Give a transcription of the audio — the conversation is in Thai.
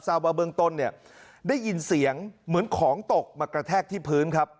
ว่าเบื้องต้นเนี่ยได้ยินเสียงเหมือนของตกมากระแทกที่พื้นครับ